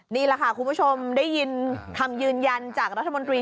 นี่แหละค่ะคุณผู้ชมได้ยินคำยืนยันจากรัฐมนตรี